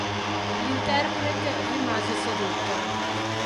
L'interprete rimase seduto